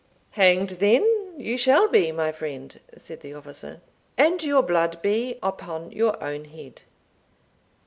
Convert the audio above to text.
"Hanged, then, you shall be, my friend" said the officer; "and your blood be upon your own head.